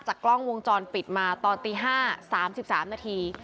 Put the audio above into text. กล้องวงจรปิดมาตอนตี๕๓๓นาที